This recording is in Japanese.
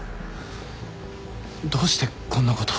どうしてこんなこと。